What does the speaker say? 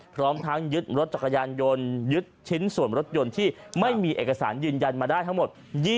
พร้อมทั้งยึดรถจักรยานยนต์ยึดชิ้นส่วนรถยนต์ที่ไม่มีเอกสารยืนยันมาได้ทั้งหมด